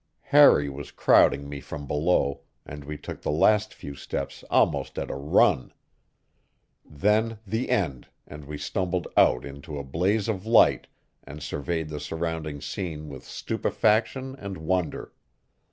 Harry was crowding me from below, and we took the last few steps almost at a run. Then the end, and we stumbled out into a blaze of light and surveyed the surrounding scene with stupefaction and wonder.